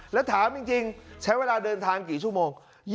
แล้วถามจริงใช้เวลาเดินทางกี่ชั่วโมง